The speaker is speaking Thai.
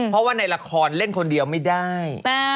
เพราะว่าในละครเล่นคนเดียวไม่ได้